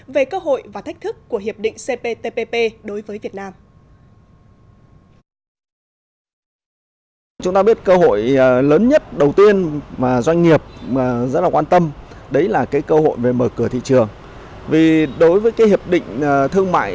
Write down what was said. về cơ hội và thách thức của hiệp định cptpp đối với việt nam